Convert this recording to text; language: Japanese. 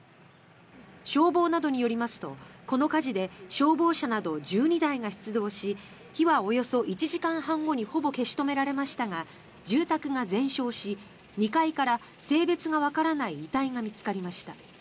消防などによりますとこの火事で消防車など１２台が出動し火はおよそ１時間半後にほぼ消し止められましたが住宅が全焼し２階から性別がわからない遺体が見つかりました。